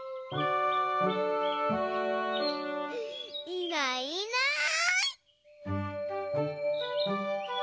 いないいない。